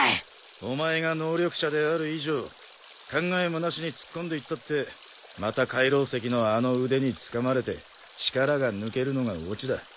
お前が能力者である以上考えもなしに突っ込んでいったってまた海楼石のあの腕につかまれて力が抜けるのがオチだ。